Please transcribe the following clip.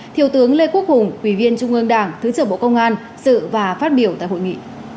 thiều tướng lê quốc hùng quỳ viên trung ương đảng thứ trưởng bộ công an dự và phát biểu tại hội nghị